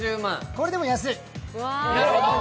これでも安い。